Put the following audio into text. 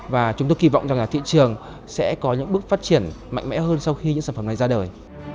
và chúng tôi kỳ vọng rằng là thị trường sẽ có những bước phát triển mạnh mẽ hơn sau khi những sản phẩm này ra đời